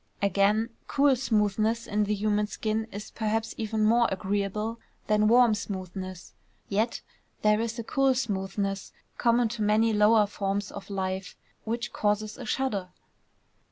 Again, cool smoothness in the human skin is perhaps even more agreeable than warm smoothness; yet there is a cool smoothness common to many lower forms of life which causes a shudder.